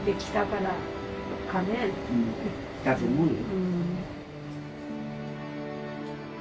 だと思うよ。